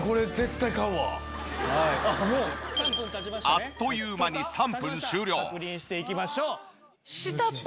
あっという間に３分終了。